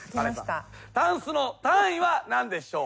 タンスの単位は何でしょう？